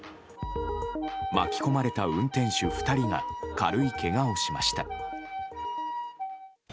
巻き込まれた運転手２人が軽いけがをしました。